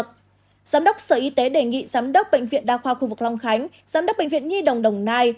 giám đốc sở y tế đề nghị giám đốc bệnh viện đa khoa khu vực long khánh giám đốc bệnh viện nhi đồng đồng nai